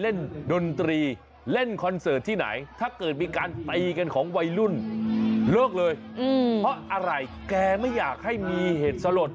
เลิกเลยเพราะอะไรแกไม่อยากให้มีเหตุสลด